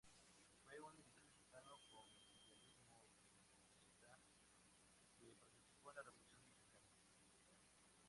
Fue un militar mexicano con idealismo villista que participó en la Revolución mexicana.